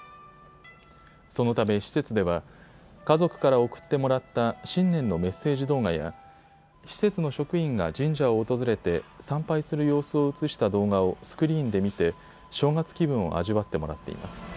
そのため施設では家族から送ってもらった新年のメッセージ動画や施設の職員が神社を訪れて参拝する様子を映した動画をスクリーンで見て正月気分を味わってもらっています。